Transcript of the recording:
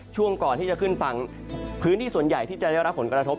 ช่วงก่อนที่จะขึ้นฝั่งพื้นที่ส่วนใหญ่ที่จะได้รับผลกระทบ